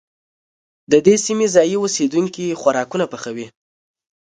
د دې سيمې ځايي اوسيدونکي خوراکونه پخوي.